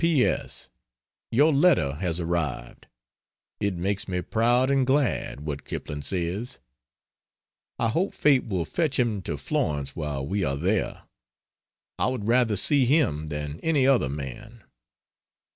P. S. Your letter has arrived. It makes me proud and glad what Kipling says. I hope Fate will fetch him to Florence while we are there. I would rather see him than any other man.